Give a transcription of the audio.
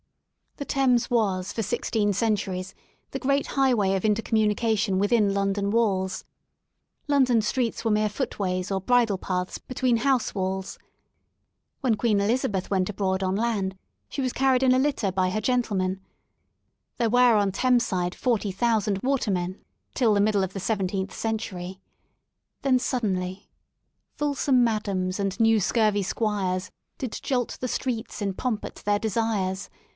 The Thames was for sixteen centuries the great highway of intercommunication within London walls* London streets were mere footways or bridlepaths be tween house walls ; when Queen Elizabeth went abroad on land she was carried in a litter by her gentlemen; there were on Thames side 40,000 watermen, till the middle of the seventeenth century. Then suddenly: Fulsome madams and new scurvy squires Did jolt the streets in pomp at their destres